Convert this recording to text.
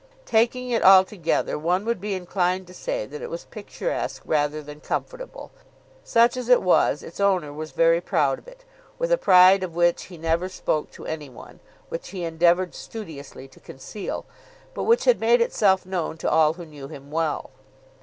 Taking it altogether, one would be inclined to say, that it was picturesque rather than comfortable. Such as it was its owner was very proud of it, with a pride of which he never spoke to anyone, which he endeavoured studiously to conceal, but which had made itself known to all who knew him well.